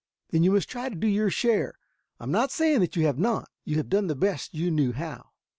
"Then you must try to do your share. I am not saying that you have not; you have done the best you knew how."